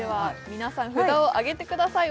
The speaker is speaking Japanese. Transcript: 皆さん札をあげてください